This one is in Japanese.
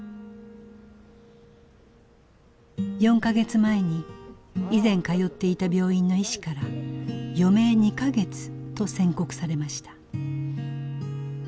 ４か月前に以前通っていた病院の医師から余命２か月と宣告されました。